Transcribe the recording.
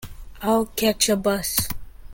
I'll catch a bus.